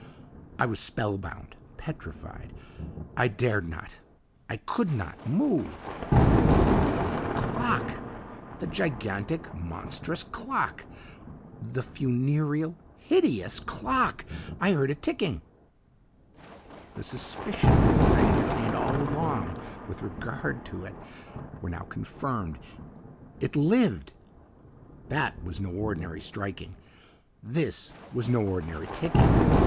"I was spellbound petrified. I dared not I COULD NOT move. "It was the clock! the gigantic, monstrous clock! the funereal, hideous clock! I heard it ticking! The suspicions that I entertained all along with regard to it were now confirmed it lived!!! That was no ordinary striking THIS was no ordinary ticking.